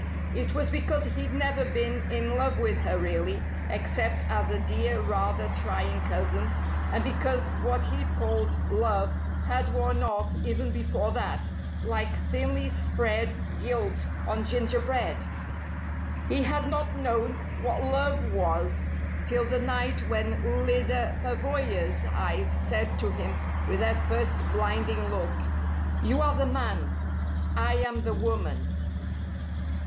It was because he'd never been in love with her really, except as a dear, rather trying cousin, and because what he'd called "love" had worn off even before that, like thinly spread gilt on gingerbread! He had not known what love was till the night when Lyda Pavoya's eyes said to him with their first blinding look, "You are the man; I am the woman."